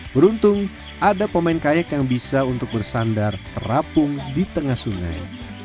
beruntung ada pemain kayak yang bisa untuk bersandar terapung di tengah sungai